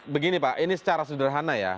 begini pak ini secara sederhana ya